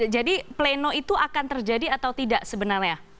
jadi pleno itu akan terjadi atau tidak sebenarnya